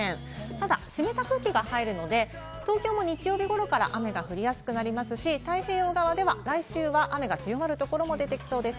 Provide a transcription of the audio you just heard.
ただ湿った空気が入るので、東京も日曜日ごろから雨が降りやすくなりますし、太平洋側では来週は雨が強まるところも出てきそうです。